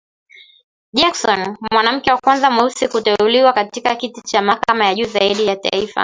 Jackson, mwanamke wa kwanza mweusi kuteuliwa katika kiti cha mahakama ya juu zaidi ya taifa.